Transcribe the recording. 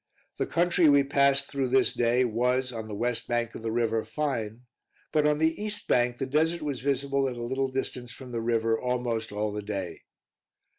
The country we passed through this day was, on the west bank of the river, fine, but on the east bank the desert was visible at a little distance from the river almost all the day.